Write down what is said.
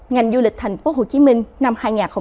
ngành du lịch thành phố hồ chí minh năm hai nghìn hai mươi bốn